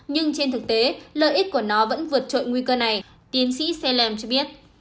nhưng trên thực tế lợi ích của nó vẫn vượt trội nguy cơ này tiến sĩ saylem cho biết